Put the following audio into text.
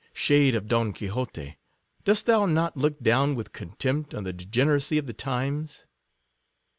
Shade of Pon Quixote, dost thou not look down with contempt on the degeneracy of the times